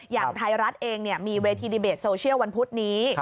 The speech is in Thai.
อย่างไทยรัฐเองมีเวทีดีเบตโซเชียลวันพุธนี้